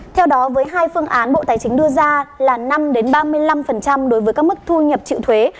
theo đó với hai phương án bộ tài chính đưa ra là năm ba mươi năm đối với các mức thu nhập chịu thuế